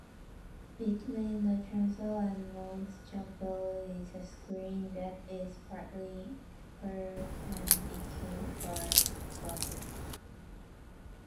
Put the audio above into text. Between the chancel and north chapel is a screen that is partly Perpendicular Gothic.